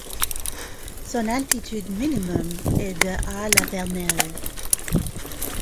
Son altitude minimum est de à La Vernelle.